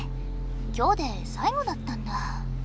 今日で最後だったんだ。